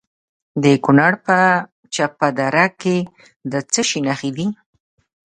د کونړ په چپه دره کې د څه شي نښې دي؟